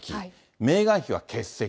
メーガン妃は欠席。